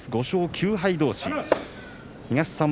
５勝９敗どうし。